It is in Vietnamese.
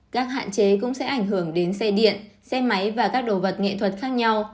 các hạn chế cũng sẽ ảnh hưởng đến xe điện xe máy và các đồ vật nghệ thuật khác nhau